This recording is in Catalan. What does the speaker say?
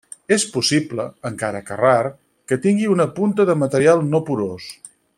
És possible, encara que rar, que tingui una punta de material no porós.